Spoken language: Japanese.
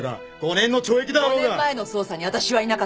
５年前の捜査にわたしはいなかった。